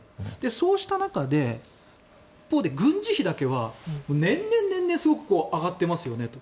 そうした中で一方で軍事費だけは年々すごく上がっていますよねと。